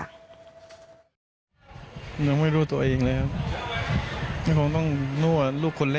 นอกจากนี้นะคะบอกว่าอยากให้เรื่องนี้เป็นอุทาหรณ์กับทุกคนเลย